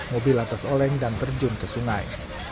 mobil lantas oleng dan terjun ke sungai